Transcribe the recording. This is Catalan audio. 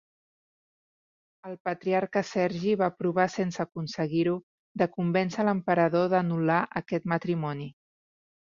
El patriarca Sergi va provar sense aconseguir-ho de convèncer l'emperador d'anul·lar aquest matrimoni.